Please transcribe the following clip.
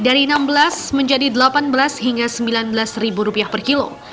dari enam belas menjadi delapan belas hingga sembilan belas ribu